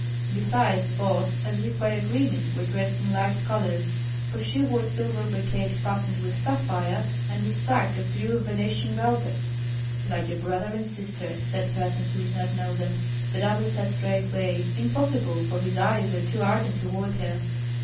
Besides both, as if by agreement, were dressed in like colors, for she wore silver brocade fastened with sapphire and a sacque of blue Venetian velvet. "Like a brother and sister," said persons who did not know them; but others said straightway, "Impossible, for his eyes are too ardent toward her."